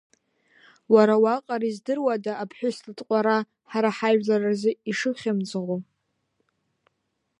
Уара уаҟара издыруада аԥҳәыс лытҟәара ҳара ҳажәлар рзы ишыхьмыӡӷу.